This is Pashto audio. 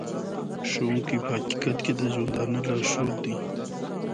ښوونکی په حقیقت کې د ژوندانه لارښود دی.